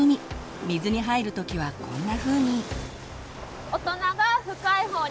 水に入る時はこんなふうに。